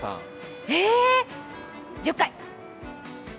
え、１０回！